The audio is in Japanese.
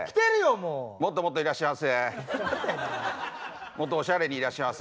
もっともっといらっしゃいませ。